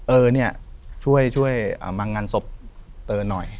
เออเนี่ยช่วยมางานศพเตยหน่อย